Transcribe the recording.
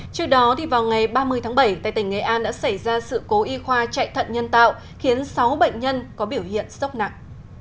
trước đó vào ngày ba mươi tháng bảy tại tỉnh nghệ an đã xảy ra sự cố y khoa chạy thận nhân tạo khiến sáu bệnh nhân có biểu hiện sốc nặng